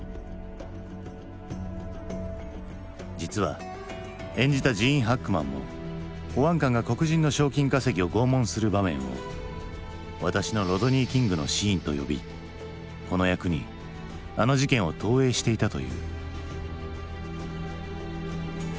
実は演じたジーン・ハックマンも保安官が黒人の賞金稼ぎを拷問する場面を「私のロドニー・キングのシーン」と呼びこの役にあの事件を投影していたという。